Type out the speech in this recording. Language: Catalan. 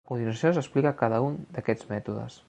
A continuació s'explica cada un d'aquests mètodes.